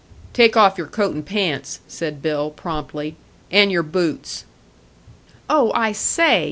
"Take off your coat and pants," said Bill, promptly, "and your boots." "Oh, I say!"